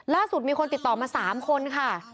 ล่าสุดมีคนติดต่อมา๓คนค่ะ